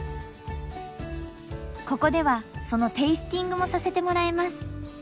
ここではそのテイスティングもさせてもらえます。